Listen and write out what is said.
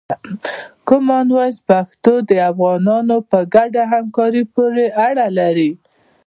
کامن وایس پښتو د افغانانو په ګډه همکاري پورې اړه لري.